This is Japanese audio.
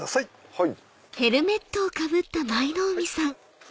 はい。